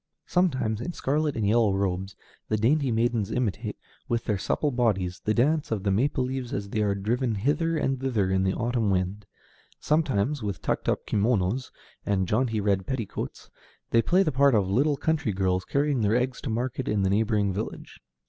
Sometimes, in scarlet and yellow robes, the dainty maidens imitate, with their supple bodies, the dance of the maple leaves as they are driven hither and thither in the autumn wind; sometimes, with tucked up kimonos and jaunty red petticoats, they play the part of little country girls carrying their eggs to market in the neighboring village.